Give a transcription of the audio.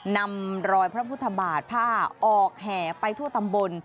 นำรอยพระพุทธบาทผ้าออกแห่ไปทั่วตำบล